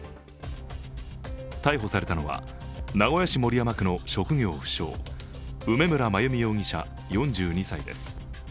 逮捕されたのは、名古屋市守山区の職業不詳梅村真由美容疑者４２歳です。